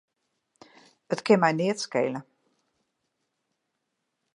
It kin my neat skele.